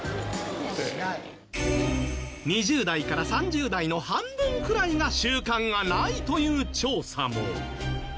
２０代から３０代の半分くらいが習慣がないという調査も。